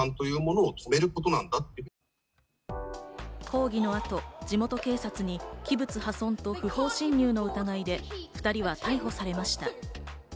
抗議の後、地元警察に器物破損と不法侵入の疑いで２人は逮捕されました。